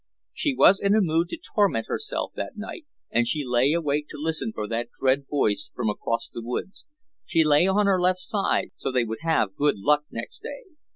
She was in a mood to torment herself that night and she lay awake to listen for that dread voice from across the woods. She lay on her left side so they would have good luck next day.